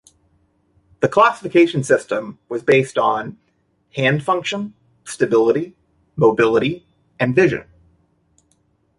The classification system was based on: hand function, stability, mobility and vision.